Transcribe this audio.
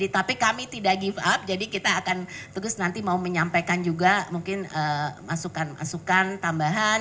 tapi kami tidak give up jadi kita akan terus nanti mau menyampaikan juga mungkin masukan masukan tambahan